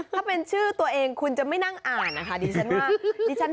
ถ้าเป็นชื่อตัวเองคุณจะไม่นั่งอ่านนะคะดิฉันว่าดิฉัน